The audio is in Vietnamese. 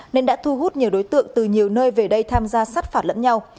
nên đã thu hút nhiều đối tượng từ nhiều nơi về đây tham gia sát phạt lẫn nhau